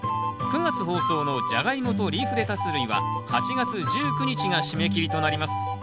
９月放送の「ジャガイモ」と「リーフレタス類」は８月１９日が締め切りとなります。